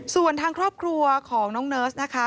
ส่วนทางครอบครัวของน้องเนิร์สนะคะ